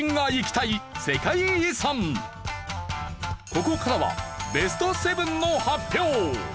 ここからはベスト７の発表。